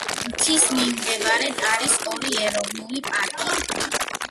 მთის მიმდებარედ არის ორი ეროვნული პარკი.